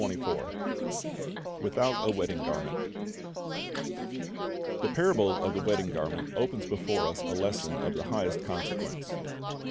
11 : 17 21 Without a Wedding Garment '^I^HE parable of the wedding garment opens before us a lesson of the highest consequence.